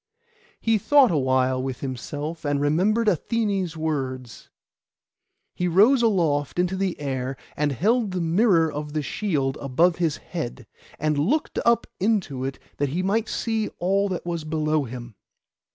He thought awhile with himself, and remembered Athené's words. He rose aloft into the air, and held the mirror of the shield above his head, and looked up into it that he might see all that was below him.